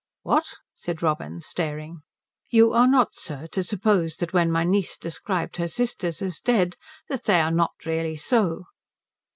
"What?" said Robin staring. "You are not, sir, to suppose that when my niece described her sisters as dead that they are not really so."